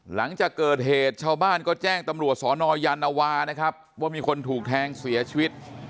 หลังจากเกิดเหตุชาวบ้านก็แจ้งตำรวจสนยานวานะครับว่ามีคนถูกแทงเสียชีวิต